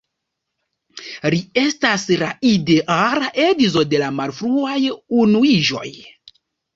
Li estas la ideala edzo de la malfruaj unuiĝoj.